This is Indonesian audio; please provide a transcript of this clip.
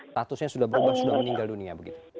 statusnya sudah berubah sudah meninggal dunia begitu